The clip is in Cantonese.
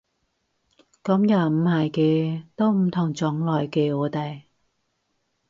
噉又唔係嘅，都唔同種類嘅我哋